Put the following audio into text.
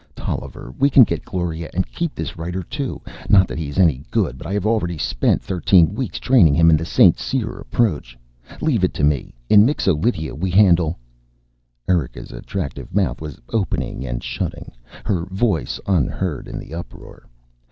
"Tolliver, we can get Gloria and keep this writer too, not that he is any good, but I have spent already thirteen weeks training him in the St. Cyr approach. Leave it to me. In Mixo Lydia we handle " Erika's attractive mouth was opening and shutting, her voice unheard in the uproar.